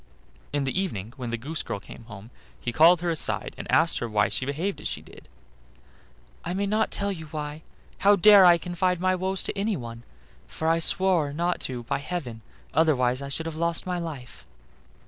In the evening when the goose girl came home he called her aside, and asked her why she behaved as she did. "I may not tell you why; how dare I confide my woes to anyone? for I swore not to by heaven, otherwise I should have lost my life."